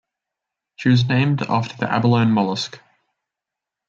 She was named after the abalone mollusk.